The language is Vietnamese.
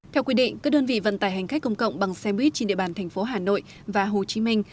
theo quy định các đơn vị vận tải hành khách công cộng bằng xe buýt trên địa bàn thành phố hà nội và hồ chí minh